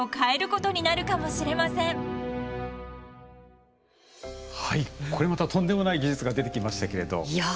これまたとんでもない技術が出てきましたけれど。